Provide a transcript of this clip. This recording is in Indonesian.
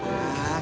terima kasih pak